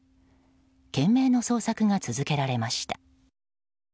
懸命の捜索が続けられました。